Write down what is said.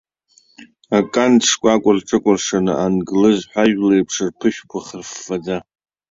Акант шкәакәа рҿыкәыршаны, англыз ҳәажәла еиԥш рԥышәқәа хырффаӡа.